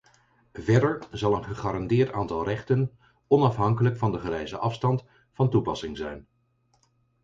Verder zal een gegarandeerd aantal rechten onafhankelijk van de gereisde afstand van toepassing zijn.